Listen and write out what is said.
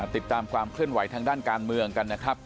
ติดตามความเคลื่อนไหวทางด้านการเมืองกันนะครับ